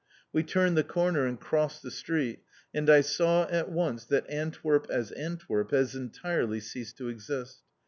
We turned the corner and crossed the street and I saw at once that Antwerp as Antwerp has entirely ceased to exist.